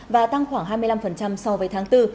và tăng khoảng hai mươi năm so với tháng bốn